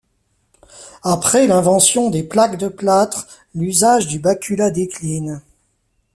Après l’invention des plaques de plâtre, l'usage du bacula décline.